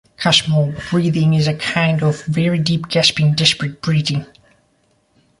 Kussmaul breathing is a kind of very deep, gasping, desperate breathing.